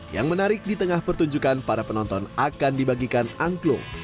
yang menarik di tengah pertunjukan para penonton akan dibagikan angklung